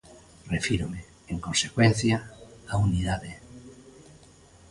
Refírome, en consecuencia, á unidade.